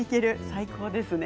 最高ですね。